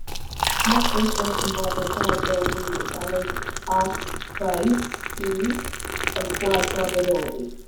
Much research involving probability is done under the auspices of applied probability.